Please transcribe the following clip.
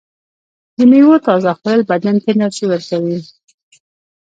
د میوو تازه خوړل بدن ته انرژي ورکوي.